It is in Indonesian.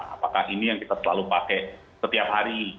apakah ini yang kita selalu pakai setiap hari